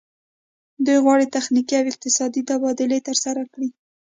دوی غواړي تخنیکي او اقتصادي تبادلې ترسره کړي